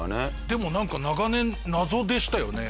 でもなんか長年謎でしたよね。